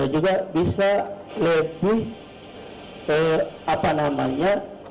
juga bisa lebih apa namanya